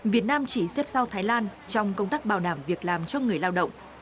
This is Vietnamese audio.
việt nam chỉ xếp sau thái lan trong công tác bảo đảm việc làm cho người lao động